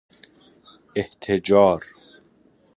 احتجار